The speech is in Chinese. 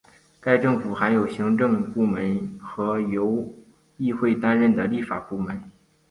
该政府含有行政部门和由议会担任的立法部门。